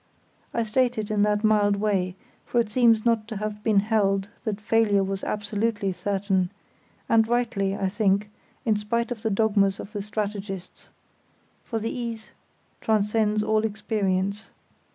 I state it in that mild way, for it seems not to have been held that failure was absolutely certain; and rightly, I think, in spite of the dogmas of the strategists—for the ease transcends all experience.